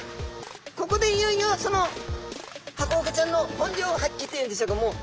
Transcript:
ここでいよいよそのハコフグちゃんの本領発揮というんでしょうかもう。